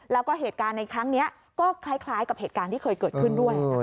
แล้วก็เหตุการณ์ในครั้งนี้ก็คล้ายกับเหตุการณ์ที่เคยเกิดขึ้นด้วย